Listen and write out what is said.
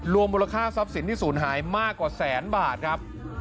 มูลค่าทรัพย์สินที่ศูนย์หายมากกว่าแสนบาทครับ